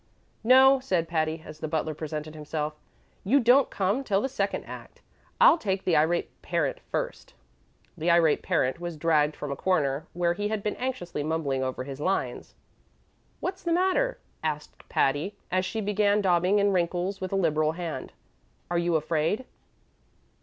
"No," said Patty, as the butler presented himself; "you don't come till the second act. I'll take the Irate Parent first." The Irate Parent was dragged from a corner where he had been anxiously mumbling over his lines. "What's the matter?" asked Patty, as she began daubing in wrinkles with a liberal hand; "are you afraid?"